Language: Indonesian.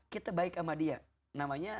kita baik sama dia namanya